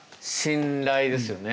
信頼ですよね。